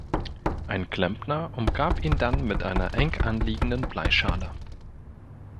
Ein Klempner umgab ihn dann mit einer enganliegenden Bleischale.